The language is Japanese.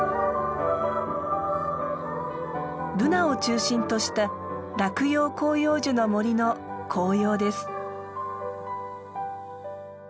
ブナを中心とした落葉広葉樹の森の紅葉です。